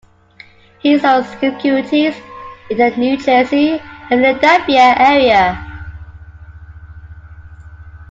He sold securities in the New Jersey and Philadelphia area.